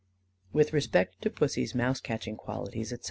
With respect to Pussy's mouse catching qualities, etc.